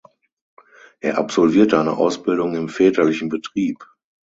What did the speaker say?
Er absolvierte eine Ausbildung im väterlichen Betrieb.